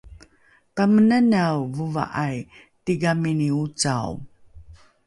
pamenanae vova’ai tigamini ocao